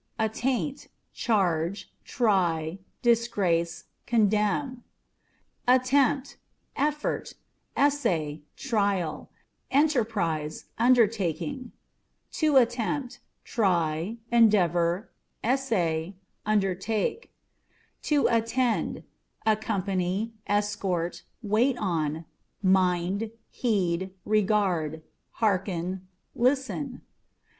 Attaint â€" charge, try, disgrace, condemn. Attemptâ€" effort ; essay, trial ; enterprise, undertaking. To Attempt â€" try, endeavour, essay, undertake. To Attend â€" accompany, escort, wait on ; mind, heed, regard ; hearken, listen.